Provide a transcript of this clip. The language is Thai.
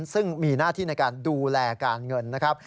ซึ่งมีหน้าที่ในการดูแลการเงินนะครับ